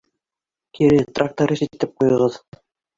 — Кире тракторист итеп ҡуйығыҙ.